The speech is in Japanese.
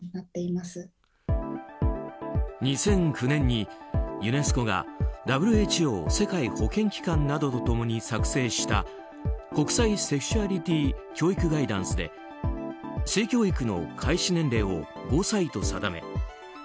２００９年に、ユネスコがＷＨＯ・世界保健機関などと共に作成した「国際セクシュアリティ教育ガイダンス」で性教育の開始年齢を５歳と定め